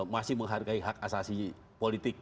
masih menghargai hak asasi politik